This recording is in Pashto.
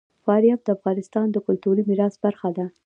فاریاب د افغانستان د کلتوري میراث برخه ده.